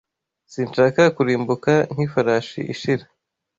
Sinshaka kurimbuka nk'ifarashi ishira